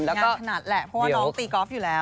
งานถนัดแหละเพราะว่าน้องตีกอล์ฟอยู่แล้ว